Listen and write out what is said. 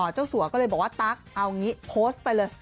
เจ้าสัวก็เลยบอกว่าตั๊กเอางี้โพสต์ไปเลย